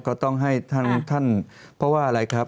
ก็ต้องให้ทำอะไรครับ